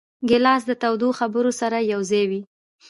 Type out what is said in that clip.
ګیلاس له تودو خبرو سره یوځای وي.